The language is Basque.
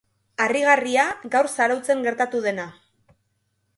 Harrigarria gaur zarautzen gertatu dena.